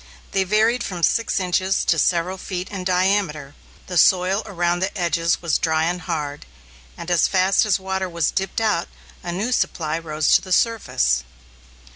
"They varied from six inches to several feet in diameter, the soil around the edges was dry and hard, and as fast as water was dipped out, a new supply rose to the surface."